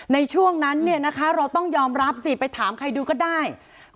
ในช่วงนั้นเราต้องยอมรับสิไปถามใครดูก็ได้